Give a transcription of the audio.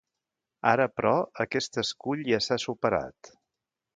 Ara, però, aquest escull ja s’ha superat.